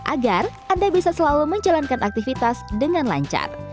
agar anda bisa selalu menjalankan aktivitas dengan lancar